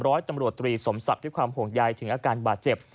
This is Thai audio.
ร้อยตำรวจตรีสมศักดิ์ด้วยความห่วงใยถึงอาการบาดเจ็บ